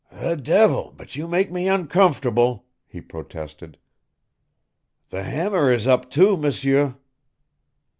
"The devil, but you make me uncomfortable," he protested. "The hammer is up, too, M'seur!"